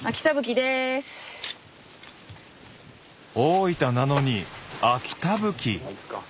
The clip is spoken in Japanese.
大分なのに秋田ぶき。